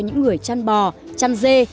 những người chăn bò chăn dê